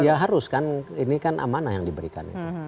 ya harus kan ini kan amanah yang diberikan itu